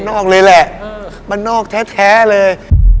มณออกเลยละมณออกแท้เลย